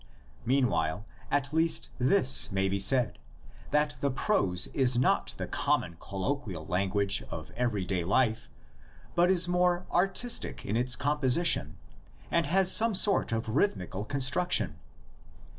Meanwhile, at least this may be said, that this prose is not the common colloquial lan guage of every day life, but is more artistic in its composition and has some sort of rhythmical con struction.